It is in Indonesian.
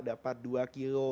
dapat dua kilo